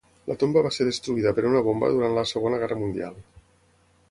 La tomba va ser destruïda per una bomba durant la segona guerra mundial.